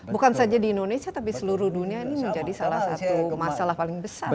bukan saja di indonesia tapi seluruh dunia ini menjadi salah satu masalah paling besar